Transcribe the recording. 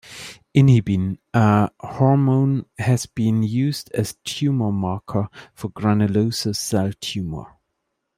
Inhibin, a hormone, has been used as tumor marker for granulosa cell tumor.